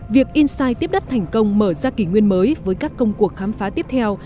việc insight tiếp đất thành công mở ra kỷ nguyên mới với các công cuộc khám phá tiếp theo